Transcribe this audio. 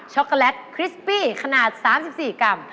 ็อกโกแลตคริสปี้ขนาด๓๔กรัม